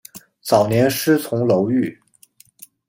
早年师从楼郁。